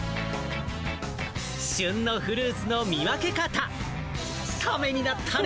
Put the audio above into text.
旬のフルーツの見分け方、タメになったね。